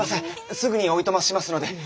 すぐにおいとましますので。